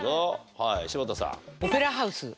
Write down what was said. はい柴田さん。